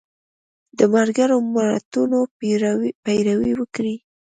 د ملګرو ملتونو پیروي وکړي